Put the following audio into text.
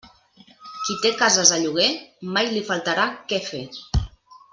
Qui té cases a lloguer, mai li faltarà què fer.